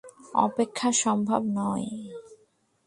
অপেক্ষা সম্ভব নয়।